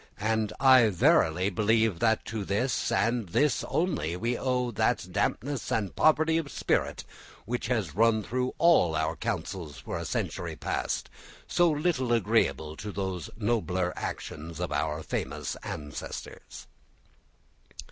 And I verily believe that to this, and this only, we owe that dampness and poverty of spirit which has run through all our councils for a century past, so little agreeable to those nobler actions of our famous ancestors."